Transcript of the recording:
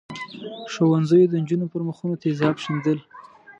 ښوونځیو د نجونو پر مخونو تېزاب شیندل.